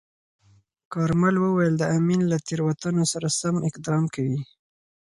کارمل وویل، د امین له تیروتنو سم اقدام کوي.